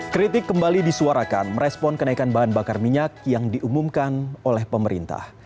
ketika diperkenalkan kenaikan bahan bakar minyak diumumkan oleh pemerintah